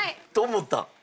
思った。